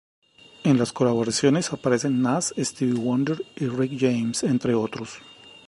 En las colaboraciones aparecen Nas, Stevie Wonder y Rick James, entre otros.